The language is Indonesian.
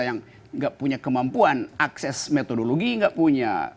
yang tidak punya kemampuan akses metodologi tidak punya